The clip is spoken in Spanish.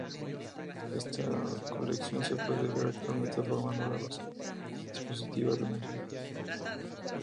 Esta colección se puede ver actualmente formando la base expositiva del museo.